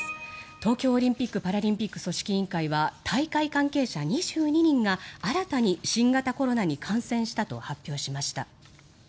東京オリンピック・パラリンピック組織委員会は大会関係者２２人が新たに新型コロナに感染したと発表しました。